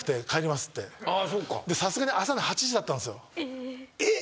さすがに朝の８時だったんですよ。えっ！？